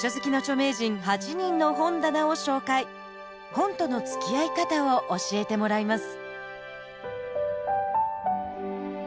本とのつきあい方を教えてもらいます。